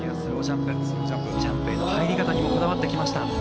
ジャンプの入り方にもこだわってきました。